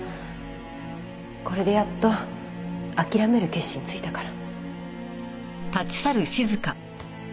これでやっと諦める決心ついたから。